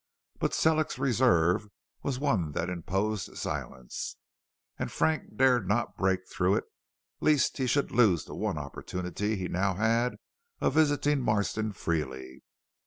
But Sellick's reserve was one that imposed silence, and Frank dared not break through it lest he should lose the one opportunity he now had of visiting Marston freely.